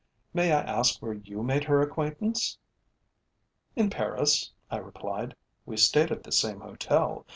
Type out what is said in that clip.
"May I ask where you made her acquaintance?" "In Paris," I replied. "We stayed at the same hotel.